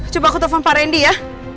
coba aku telepon pak randy ya